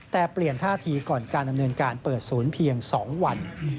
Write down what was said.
แต่เปลี่ยนท่าทีก่อนการดำเนินการเปิดศูนย์เพียง๒วัน